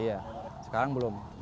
iya sekarang belum